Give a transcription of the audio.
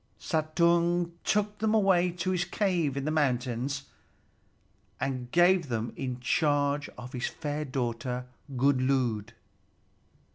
Suttung took them away to his cave in the mountains, and gave them in charge of his fair daughter Gunnlöd.